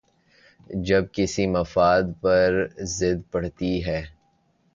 جب کسی مفاد پر زد پڑتی ہے۔